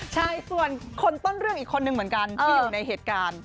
ใช่ส่วนคนต้นเรื่องอีกคนนึงเหมือนกันที่อยู่ในเหตุการณ์